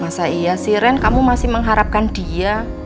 masa iya si ren kamu masih mengharapkan dia